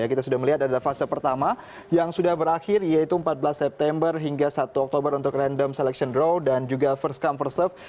kita sudah melihat ada fase pertama yang sudah berakhir yaitu empat belas september hingga satu oktober untuk random selection row dan juga first come first of